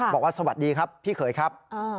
บอกว่าสวัสดีครับพี่เขยครับ